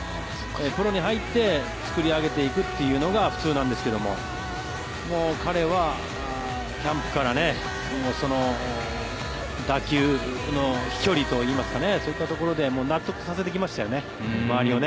プロに入って作り上げていくというのが普通なんですけど彼は、キャンプから打球の飛距離といいますかねそういったところで納得させてきました、周りを。